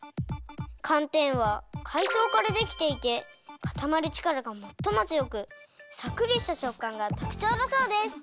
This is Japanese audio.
かんてんはかいそうからできていてかたまるちからがもっともつよくさっくりしたしょっかんがとくちょうだそうです！